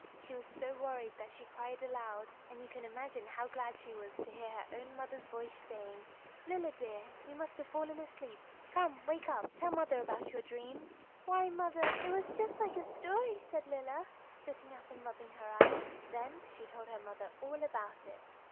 She was so worried that she cried aloud, and you can imagine how glad she was to hear her own mother's voice saying: "Lilla, dear, you must have fallen asleep. Come, wake up! Tell mother about your dream." "Why, mother, it was just like a story," said Lilla, sitting up and rubbing her eyes. Then she told her mother all about it.